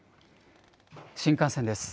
新幹線です。